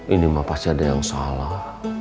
ini mah pasti ada yang salah